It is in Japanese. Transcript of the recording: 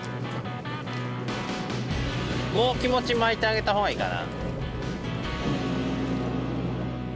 もう気持ち巻いて上げた方がいいかな。